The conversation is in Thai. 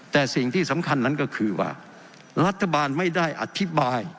แต่สิ่งที่สำคัญนั้นก็คือว่ารัฐบาลไม่ได้อธิบาย